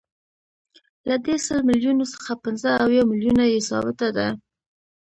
له دې سل میلیونو څخه پنځه اویا میلیونه یې ثابته ده